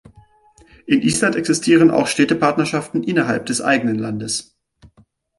In Island existieren auch Städtepartnerschaften innerhalb des eigenen Landes.